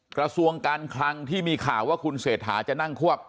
กระทรวงการคลังที่มีข่าวว่าคุณเศรษฐาจะนั่งควบ